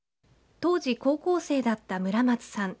当時高校生だった村松さん。